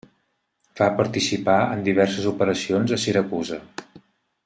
Va participar en diverses operacions a Siracusa.